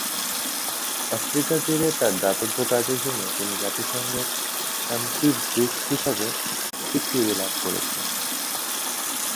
Africa জুড়ে তাঁর দাতব্য কাজের জন্য তিনি জাতিসংঘের শান্তির দূত হিসাবে স্বীকৃতি লাভ করেছেন।